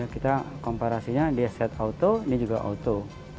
kita komparasinya dia set auto dia juga auto